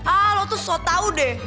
ah lo tuh so tau deh